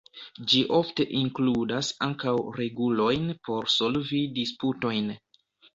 Ĝi ofte inkludas ankaŭ regulojn por solvi disputojn.